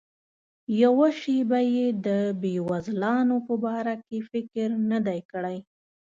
یوه شیبه یې د بېوزلانو په باره کې فکر نه دی کړی.